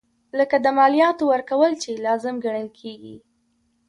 لکه د مالیاتو ورکول چې لازم ګڼل کیږي.